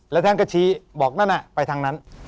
แล้วท่านก็ชี้บอกนั่นไปทางนั้น